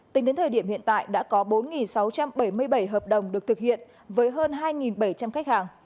tính đến thời điểm hiện tại đã có bốn sáu trăm bảy mươi bảy hợp đồng được thực hiện với hơn hai bảy trăm linh khách hàng